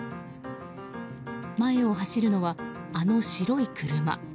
前を走るのは、あの白い車。